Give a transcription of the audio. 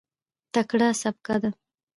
تکړه سبکه ده.